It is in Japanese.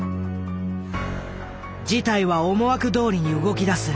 事態は思惑どおりに動きだす。